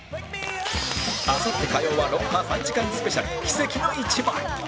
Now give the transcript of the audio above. あさって火曜は『ロンハー』３時間スペシャル奇跡の１枚